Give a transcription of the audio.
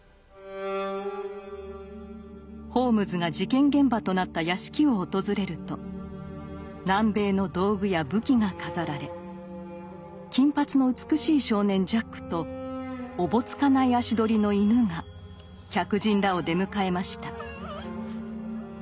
ホームズが事件現場となった屋敷を訪れると南米の道具や武器が飾られ金髪の美しい少年ジャックとおぼつかない足取りの犬が客人らを出迎えました。